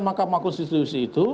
makam makonstitusi itu